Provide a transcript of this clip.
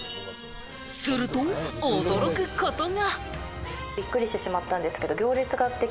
すると驚くことが。